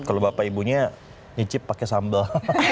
kalau bapak ibunya nyicip pakai sambal